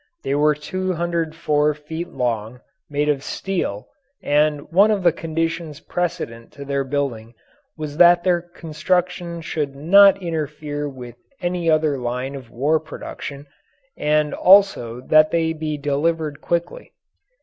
They were 204 feet long, made of steel, and one of the conditions precedent to their building was that their construction should not interfere with any other line of war production and also that they be delivered quickly.